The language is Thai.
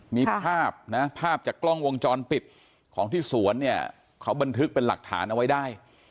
มีภาพนะภาพจากกล้องวงจรปิดของที่สวนเนี่ยเขาบันทึกเป็นหลักฐานเอาไว้ได้